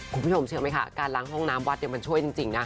คุณผู้ชมเชื่อไหมคะการล้างห้องน้ำวัดมันช่วยจริงนะ